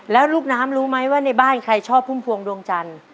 แล้วลูกน้ำรู้ไหมว่าในบ้านใครชอบพุ่มพวงดวงจันทร์